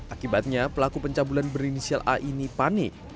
akibatnya pelaku pencabulan berinisial a ini panik